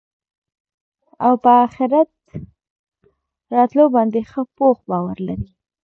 او په آخرت راتلو باندي ښه پوخ باور لري